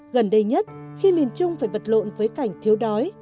gần đây nhất khi miền trung phải vật lộn với cảnh thiếu đói